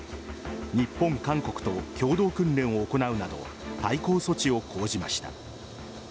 日本、韓国と共同訓練を行うなど対抗措置を講じました。